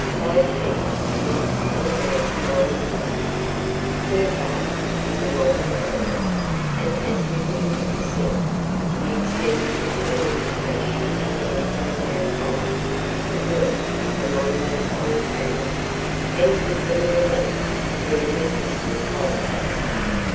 High Peak lives in a mountain mining district. Her father is a mine owner and has given his consent to the extending of an invitation to Flamingo Camp Fire to work among these poor families and give them relief during the Christmas holidays.